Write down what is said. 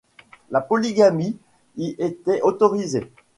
La polygamie y était autorisée.